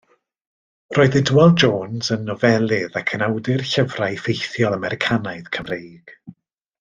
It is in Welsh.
Roedd Idwal Jones yn nofelydd ac yn awdur llyfrau ffeithiol Americanaidd Cymreig.